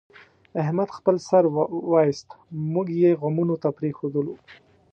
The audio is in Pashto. احمد خپل سر وایست، موږ یې غمونو ته پرېښودلو.